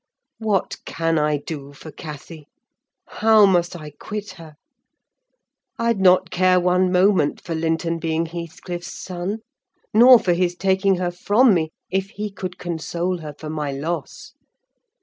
What can I do for Cathy? How must I quit her? I'd not care one moment for Linton being Heathcliff's son; nor for his taking her from me, if he could console her for my loss.